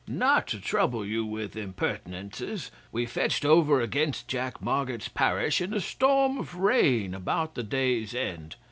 'Not to trouble you with impertinences, we fetched over against Jack Marget's parish in a storm of rain about the day's end.